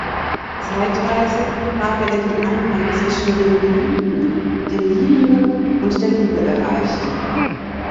Zeitweise habe er die Einheit zwischen dem Geliebten, dem Liebenden und der Liebe erreicht.